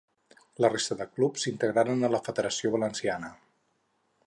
La resta de clubs s'integraren a la Federació Valenciana.